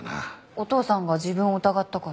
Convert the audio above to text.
お父さんが自分を疑ったから？